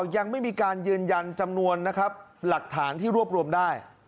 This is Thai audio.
ยังไม่มีการยืนยันจำนวนนะครับหลักฐานที่รวบรวมได้